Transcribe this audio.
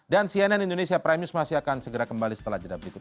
dan cnn indonesia prime news masih akan segera kembali setelah jeda berikut ini